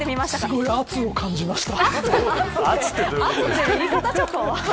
すごい圧を感じました。